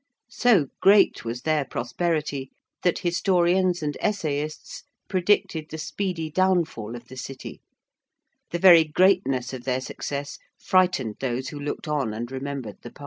So great was their prosperity that historians and essayists predicted the speedy downfall of the City: the very greatness of their success frightened those who looked on and remembered the past.